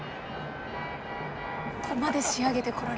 ここまで仕上げてこられた。